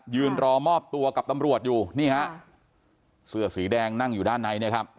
ยืนรอมอบตัวกับตำรวจอยู่นี่ฮะเสื้อสีแดงนั่งอยู่ด้านในนะครับ